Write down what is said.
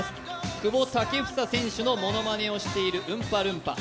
久保建英選手のモノマネをしているウンパルンパ。